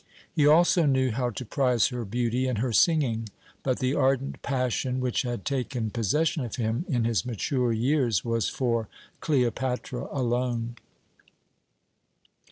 He also knew how to prize her beauty and her singing, but the ardent passion which had taken possession of him in his mature years was for Cleopatra alone.